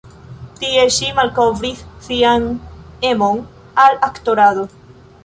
Tie ŝi malkovris sian emon al aktorado.